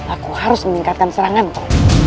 aku harus meningkatkan seranganku